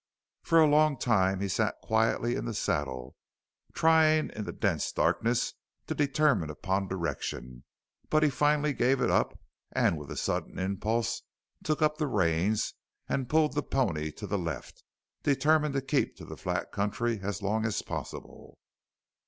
For a long time he sat quietly in the saddle, trying in the dense darkness to determine upon direction, but he finally gave it up and with a sudden impulse took up the reins and pulled the pony to the left, determined to keep to the flat country as long as possible.